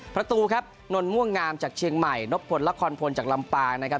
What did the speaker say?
ประตูครับนนม่วงงามจากเชียงใหม่นบพลละครพลจากลำปางนะครับ